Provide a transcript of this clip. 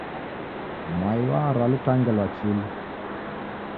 Mwai warwa lukange lwa chilu.